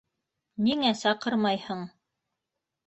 Ниңә саҡырмайһың?!